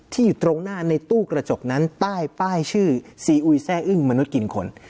อยู่ตรงหน้าในตู้กระจกนั้นใต้ป้ายชื่อซีอุยแซ่อึ้งมนุษย์กินคน